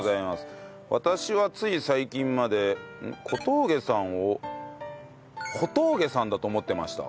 私はつい最近までことうげさんをほとうげさんだと思ってました。